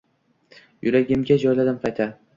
Yuragimga joyladim qayta.